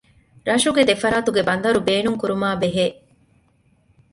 ރަށުގެ ދެފަރާތުގެ ބަނދަރު ބޭނުންކުރުމާ ބެހޭ